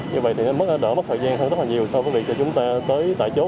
như vậy thì nó đỡ mất thời gian hơn rất là nhiều so với việc chúng ta tới tại chốt